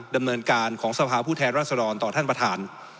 ดำเนินการของสภาพผู้แทนรัศดรต่อท่านประธาน